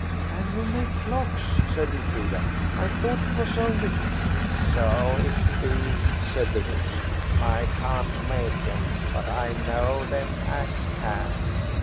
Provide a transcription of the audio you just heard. "Can you make clocks?" said Elfrida. "I thought it was only–" "So it be," said the witch. "I can't make 'em, but I know them as can.